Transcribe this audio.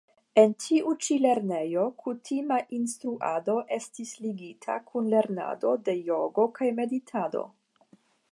En tiu ĉi lernejo kutima instruado estis ligita kun lernado de jogo kaj meditado.